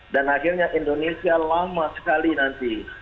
dan akhirnya indonesia lama sekali nanti